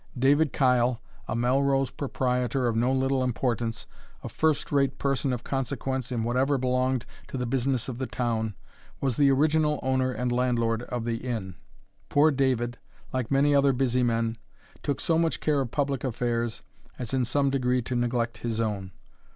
David Kyle, a Melrose proprietor of no little importance, a first rate person of consequence in whatever belonged to the business of the town, was the original owner and landlord of the inn. Poor David, like many other busy men, took so much care of public affairs, as in some degree to neglect his own.